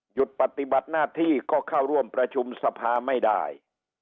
หยุดปฏิบัติหน้าที่ก็เข้าร่วมประชุมสภาไม่ได้